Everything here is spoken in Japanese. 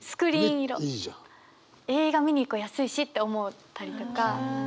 映画見に行こう安いしって思ったりとか。